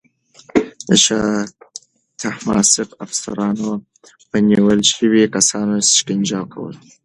د شاه طهماسب افسرانو به نیول شوي کسان شکنجه کول.